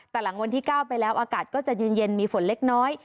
แต่หลังวันที่๙ไปแล้วอากาศก็จะเย็นมีฝนเล็กน้อย